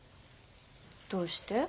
どうして？